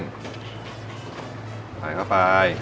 ใส่เข้าไป